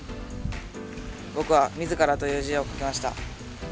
僕は「自ら」という字を書きました。